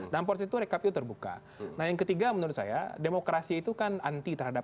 dan portret rekap itu terbuka nah yang ketiga menurut saya demokrasi itu kan anti terhadap